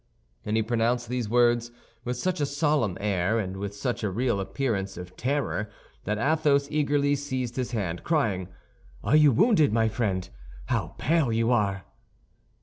And he pronounced these words with such a solemn air and with such a real appearance of terror, that Athos eagerly seized his hand, crying, "Are you wounded, my friend? How pale you are!"